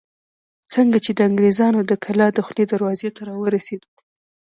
څنګه چې د انګرېزانو د کلا دخولي دروازې ته راورسېدو.